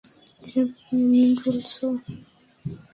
এসব কি এমনিই বলছো?